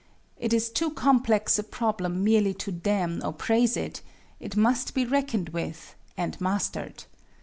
It is too complex a problem merely to damn or praise it it must be reckoned with, and mastered.